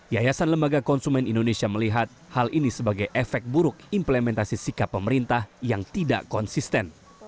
yayasan lembaga konsumen indonesia melihat hal ini sebagai efek buruk implementasi sikap pemerintah yang tidak konsisten